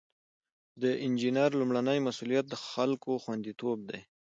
د انجینر لومړی مسؤلیت د خلکو خوندیتوب دی.